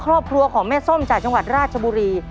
ครอบครัวของแม่ส้มจากจังหวัดราชบุรี